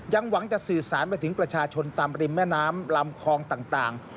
หวังจะสื่อสารไปถึงประชาชนตามริมแม่น้ำลำคลองต่าง